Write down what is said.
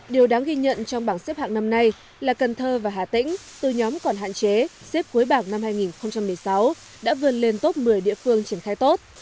điều đáng ghi nhận trong bảng xếp hạng năm nay là cần thơ và hà tĩnh từ nhóm còn hạn chế xếp cuối bạc năm hai nghìn một mươi sáu đã vươn lên top một mươi địa phương triển khai tốt